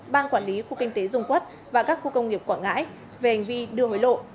ban quản lý khu kinh tế dung quốc và các khu công nghiệp quảng ngãi về hành vi đưa hối lộ